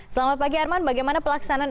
selamat pagi arman bagaimana pelaksanaan